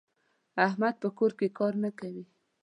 احمد په کور کې کار نه کوي.